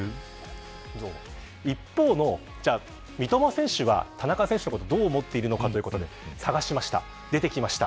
一方の三笘選手は田中選手のことをどう思っているのかということで探しました、出てきました。